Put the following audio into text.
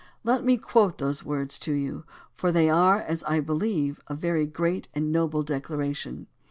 Let me quote those words to you, for they are, as I believe, a very great and a very noble declaration.